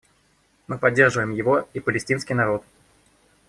Мы поддерживаем его и палестинский народ.